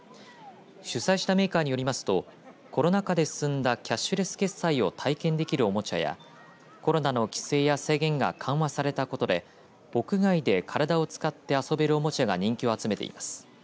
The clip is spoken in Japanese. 主催したメーカーによりますとコロナ禍で進んだキャッシュレス決済を体験できるおもちゃやコロナの規制や制限が緩和されたことで屋外で体を使って遊べるおもちゃが人気を集めています。